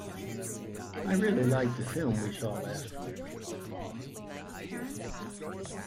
I really liked the film we saw last week.